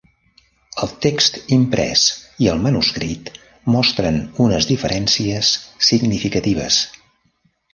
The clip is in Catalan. El text imprès i el manuscrit mostren unes diferències significatives.